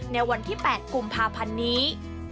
ในวันที่๘กุมภาพันธ์นี้